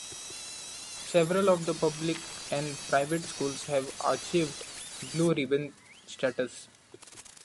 Several of the public and private schools have achieved blue ribbon status.